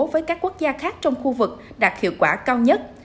với các quốc gia khác trong khu vực đạt hiệu quả cao nhất